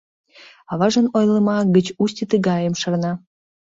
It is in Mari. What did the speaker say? Аважын ойлыма гыч Усти тыгайым шарна.